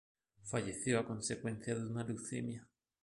Falleció a consecuencia de una leucemia.